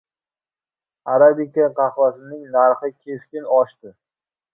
Arabika qahvasining narxi keskin oshdi